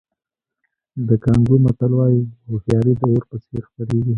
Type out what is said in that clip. د کانګو متل وایي هوښیاري د اور په څېر خپرېږي.